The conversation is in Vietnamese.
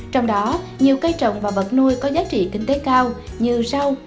trong đó nhiều cây trồng và vật nuôi có giá trị kinh tế cao như rau